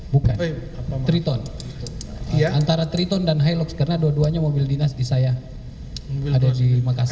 bukan triton antara triton dan hilops karena dua duanya mobil dinas di saya ada di makassar